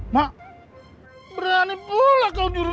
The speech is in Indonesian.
mak berani pula kau juru juru aku